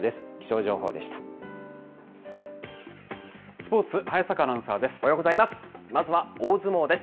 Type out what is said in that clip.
スポーツ、早坂アナウンサーです。